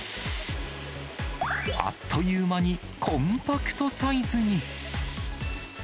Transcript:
あっという間にコンパクトサイズに。